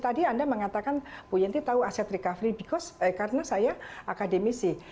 tadi anda mengatakan bu yenti tahu aset recovery di kos karena saya akademisi